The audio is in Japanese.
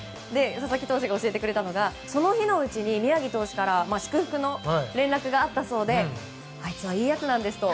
佐々木投手が教えてくれたのがその日のうちに宮城投手から祝福の連絡があったそうであいつはいいやつなんですと。